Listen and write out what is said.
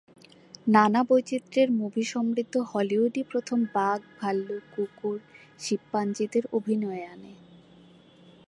নানা বৈচিত্র্যের মুভিসমৃদ্ধ হলিউডই প্রথম বাঘ ভালুক কুকুর শিম্পাঞ্জিদের অভিনয়ে আনে।